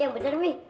hah ya bener mie